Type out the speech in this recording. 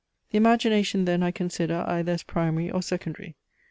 The Imagination then I consider either as primary, or secondary.